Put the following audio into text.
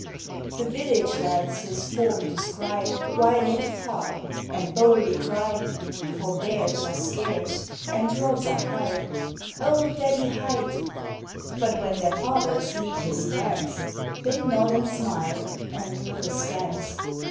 The village lads his form descry While yet afar, and boldly cry (For bears are scarce and rods are high) "Old Daddy Hight!" But when their fathers meet his glance, They nod and smile and look askance.